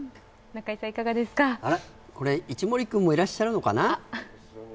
一森君もいらっしゃるのかな？